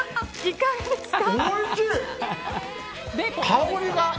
香りが！